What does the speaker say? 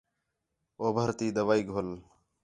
اُو بھرتی دوائی گھل